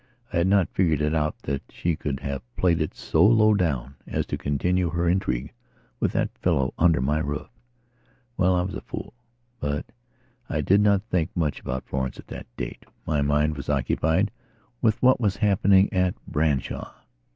I had not figured it out that she could have played it so low down as to continue her intrigue with that fellow under my roof. Well, I was a fool. But I did not think much about Florence at that date. My mind was occupied with what was happening at Branshaw.